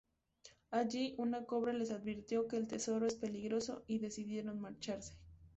Allí una cobra les advirtió que el tesoro es peligroso y decidieron marcharse.